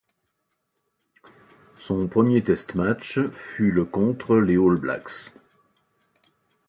Son premier test match fut le contre les All-Blacks.